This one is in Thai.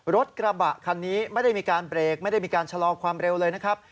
รถกระบะคันนี้ไม่ได้มีการเบรกไม่ได้มีการชะลอความเร็วเลยนะครับ